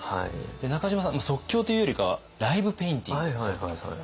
で中島さん即興というよりかはライブペインティングされてますよね。